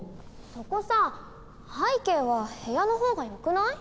そこさ背景は部屋の方がよくない？